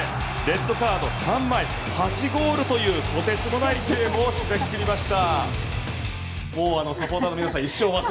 レッドカード３枚８ゴールというとてつもない締めくくりでした。